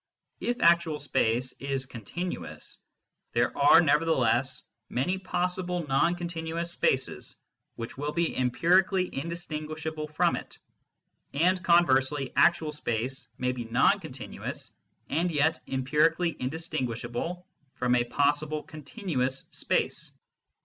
If actual space is continuous, there are nevertheless many possible non continuous spaces which will be empirically indistinguishable from it ; and, conversely, actual space may be non continuous and yet empirically indistinguish able from a possible continuous space.